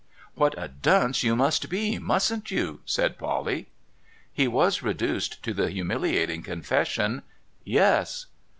' What a dunce you must be, mustn't you ?' said Polly. He was reduced to the humiliating confession :' Yes.'